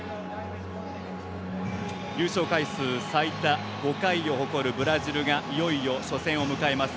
優勝回数最多５回を誇るブラジルがいよいよ初戦を迎えます。